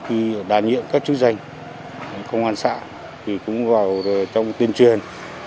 khi đàm nhiệm các chức danh công an xã thì cũng vào trong tuyên truyền